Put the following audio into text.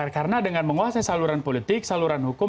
karena dengan menguasai saluran politik saluran hukum